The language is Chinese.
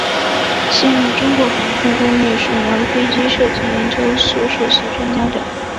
现任中国航空工业沈阳飞机设计研究所首席专家等。